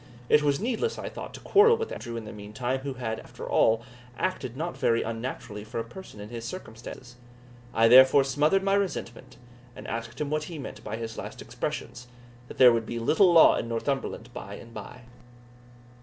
It was needless, I thought, to quarrel with Andrew in the meantime, who had, after all, acted not very unnaturally for a person in his circumstances. I therefore smothered my resentment, and asked him what he meant by his last expressions, that there would be little law in Northumberland by and by?